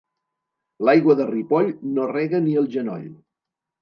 L'aigua del Ripoll no rega ni el genoll.